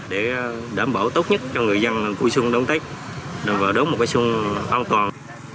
để đảm bảo tốt nhất cho người dân vui xuân đón tết và đón một cái xuân an toàn